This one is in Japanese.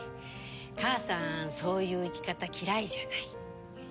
母さんそういう生き方嫌いじゃない。